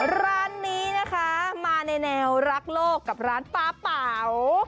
ร้านนี้นะคะมาในแนวรักโลกกับร้านปลาเป๋า